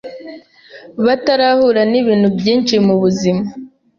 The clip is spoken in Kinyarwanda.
batarahura n’ibintu byinshi mu buzima